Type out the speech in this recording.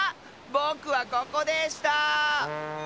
ぼくはここでした！